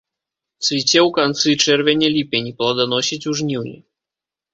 Цвіце ў канцы чэрвеня-ліпені, пладаносіць у жніўні.